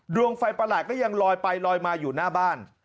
ดวงไฟประหลาดก็ยังลอยไปลอยมาอยู่หน้าบ้าน